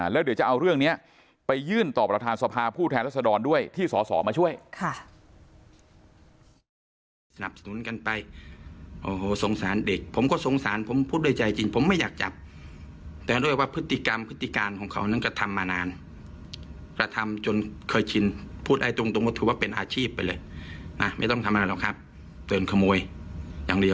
แล้วเดี๋ยวจะเอาเรื่องนี้ไปยื่นต่อประธานสภาผู้แทนรัศดรด้วยที่สอสอมาช่วย